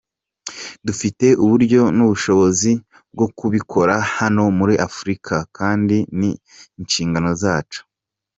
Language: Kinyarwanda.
Dufite uburyo n’ubushobozi bwo kubikora, hano muri Afurika, kandi ni inshingano zacu.